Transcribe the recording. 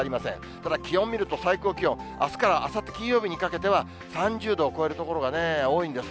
ただ気温見ると、最高気温、あすからあさって金曜日にかけては、３０度を超える所が多いんです。